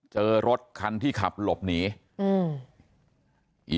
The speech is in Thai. เจอรถคันที่ขับหลบหนีอืม